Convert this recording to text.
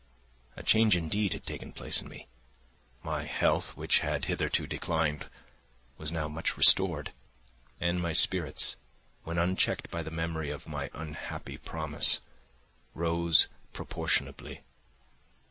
A change indeed had taken place in me; my health, which had hitherto declined, was now much restored; and my spirits, when unchecked by the memory of my unhappy promise, rose proportionably.